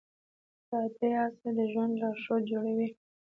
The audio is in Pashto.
دا درې اصله د ژوند لارښود جوړوي.